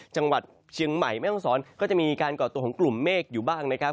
จังหวัดเชียงใหม่แม่ห้องศรก็จะมีการก่อตัวของกลุ่มเมฆอยู่บ้างนะครับ